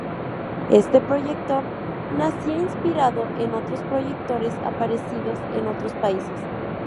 Este proyector nacía inspirado en otros proyectores aparecidos en otros países.